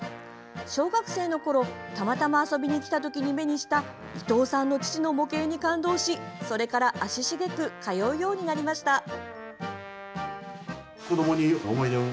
小学生のころ、たまたま遊びに来たときに目にした伊藤さんの父の模型に感動しそれから足しげく通うようになりました。